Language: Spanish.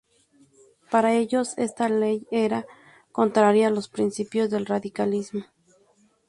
Para ellos, esta ley era "contraria a los principios del radicalismo".